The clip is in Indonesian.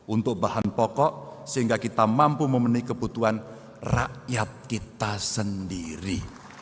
untuk bahan pokok sehingga kita mampu memenuhi kebutuhan rakyat kita sendiri